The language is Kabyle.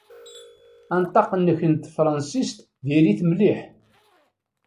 Anṭaq-nnek n tefṛansit diri-t mliḥ.